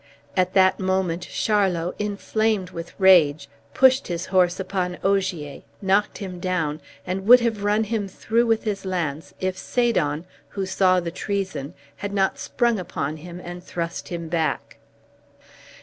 At that moment Charlot, inflamed with rage, pushed his horse upon Ogier, knocked him down, and would have run him through with his lance if Sadon, who saw the treason, had not sprung upon him and thrust him back.